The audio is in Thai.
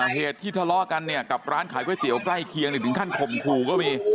เหตุที่ทะเลาะกันเนี่ยกับร้านขายก๋วยเตี๋ยวใกล้เคียงถึงขั้นข่มขู่ก็มี